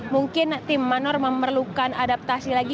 mungkin tim manor memerlukan adaptasi lagi